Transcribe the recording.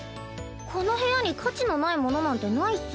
この部屋に価値のないものなんてないっス。